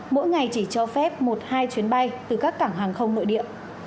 mỗi ngày chỉ cho phép một hai chuyến bay từ các cảng hàng không nội địa